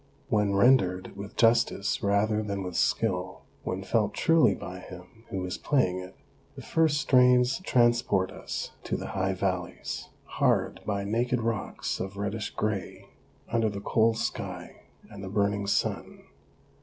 " When rendered with justice rather than with skill, when felt truly by him who is playing it, the first strains transport us to the high valleys, OBERMANN 129 hard by naked rocks of reddish grey, under the cold sky and the burning sun.